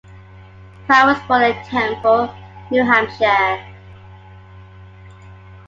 Pratt was born in Temple, New Hampshire.